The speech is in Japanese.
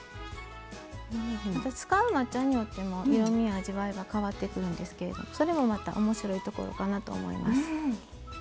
使う抹茶によっても色みや味わいが変わってくるんですけれどもそれもまたおもしろいところかなと思います。